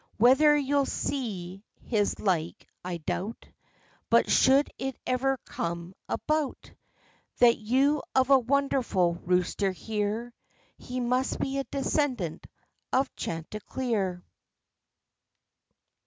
Whether you'll see his like, I doubt; But should it ever come about, That you of a wonderful rooster hear, He must be a descendant of Chanticleer.